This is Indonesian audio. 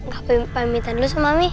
gak mau minta dulu sama mami